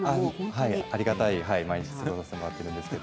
ありがたい毎日を過ごさせてもらっています。